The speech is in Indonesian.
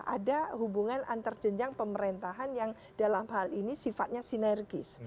ada hubungan antarjenjang pemerintahan yang dalam hal ini sifatnya sinergis